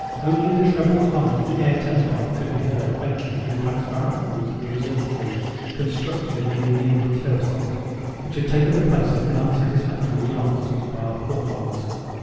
Only the treble hum of the air turbine could be heard faintly through the transparent walls of the observatory constructed of the annealed clersite, which has taken the place of the unsatisfactory glass used by our forefathers.